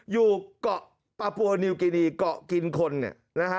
อยู่เกาะปะปัวนิวกินีเกาะกินคนเนี่ยนะฮะ